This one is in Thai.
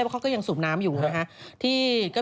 แล้วเขาก็ยังสูมน้ำอยู่เลยค่ะ